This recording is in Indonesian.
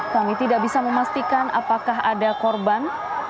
kami tidak bisa memastikan apakah ada korban